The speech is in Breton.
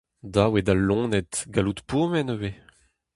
Dav eo d'al loened gallout pourmen ivez.